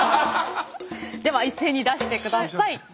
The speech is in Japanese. では一斉に出してください。